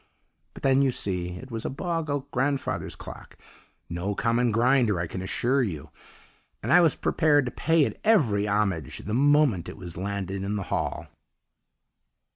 But then, you see, it was a bog oak grandfather's clock no common grinder I can assure you; and I was prepared to pay it every homage the moment it was landed in the hall.